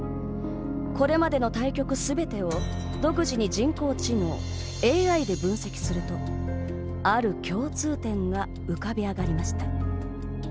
これまでの対局すべてを独自に人工知能＝ＡＩで分析するとある共通点が浮かび上がりました。